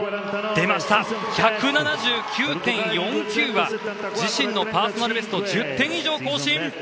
１７９．４９は自身のパーソナルベストを１０点以上更新！